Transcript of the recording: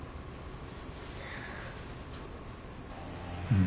うん。